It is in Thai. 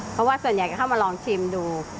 เพราะว่าส่วนใหญ่ก็เข้ามาลองชิมดู